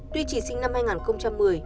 tuy chỉ sinh năm hai nghìn một mươi